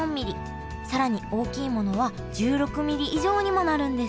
更に大きいものは１６ミリ以上にもなるんです